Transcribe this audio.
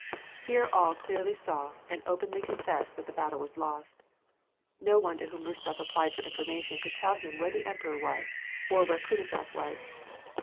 Here all clearly saw and openly confessed that the battle was lost. No one to whom Rostof applied for information could tell him where the emperor was, or where Kutuzof was.